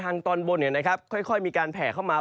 ทางตอนบนเนี่ยนะครับค่อยมีการแผ่เข้ามา